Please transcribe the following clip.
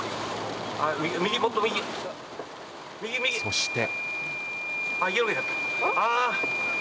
そして。